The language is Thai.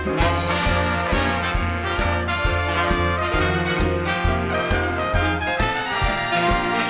สวัสดีครับสวัสดีครับ